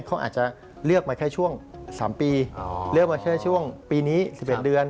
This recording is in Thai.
เขาอาจจะเลือกมาแค่ช่วง๓ปีเลือกมาแค่ช่วงปีนี้๑๑เดือน